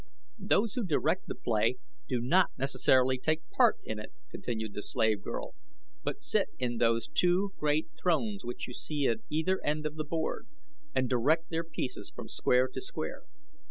"Those who direct the play do not necessarily take part in it," continued the slave girl, "but sit in those two great thrones which you see at either end of the board and direct their pieces from square to square."